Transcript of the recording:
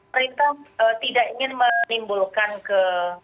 perintah tidak ingin menimbulkan ke